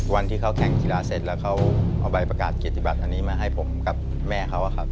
วันที่เขาแข่งกีฬาเสร็จแล้วเขาเอาใบประกาศเกียรติบัตรอันนี้มาให้ผมกับแม่เขาอะครับ